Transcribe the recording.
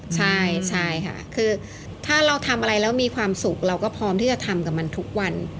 ใช่ค่ะคือถ้าเราทำอะไรแล้วมีความสุขเราก็พร้อมที่จะทำกับมันทุกวัน